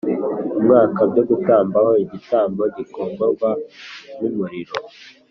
Umwaka byo gutamba ho igitambo gikongorwa n umuriro